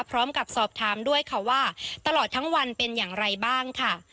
พร้อมกับสอบถามด้วยค่ะว่าตลอดทั้งวันเป็นอย่างไรบ้างค่ะ